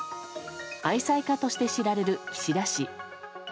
愛妻家として知られる岸田氏。